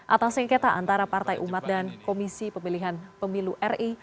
atas sengketa antara partai umat dan komisi pemilihan pemilu ri